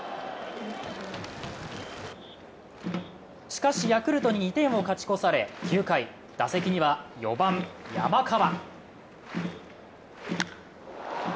しかしヤクルトに２点を勝ち越され９回、打席には４番・山川。